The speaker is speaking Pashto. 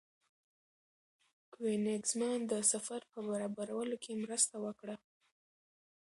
کوېنیګزمان د سفر په برابرولو کې مرسته وکړه.